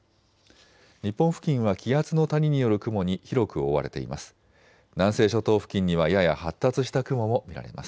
日本付近は気圧の谷による雲に広く覆われています。